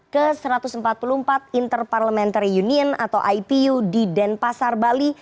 ke satu ratus empat puluh empat interparliamentary union atau ipu di denpasar bali